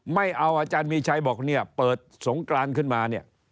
ไม่เอาอาจารย์มีชัยบอกเปิดสงครานขึ้นมา